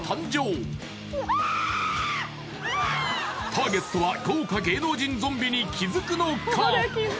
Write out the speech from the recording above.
ターゲットは豪華芸能人ゾンビに気づくのか？